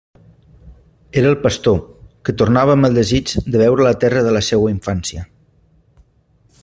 Era el pastor, que tornava amb el desig de veure la terra de la seua infància.